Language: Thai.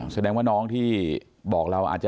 แสดงว่าน้องที่บอกเราอาจจะ